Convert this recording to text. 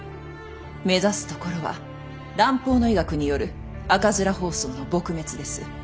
目指すところは蘭方の医学による赤面疱瘡の撲滅です。